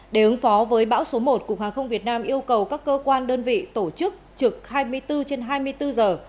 để ứng phó với bão số một cục hàng không việt nam yêu cầu các cơ quan đơn vị tổ chức trực hai mươi bốn trên hai mươi bốn giờ